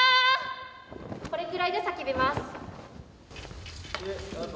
これくらいで叫びます。